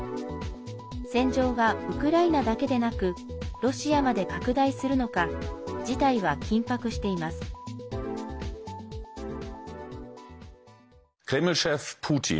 戦場がウクライナだけでなくロシアまで拡大するのか事態は緊迫しています。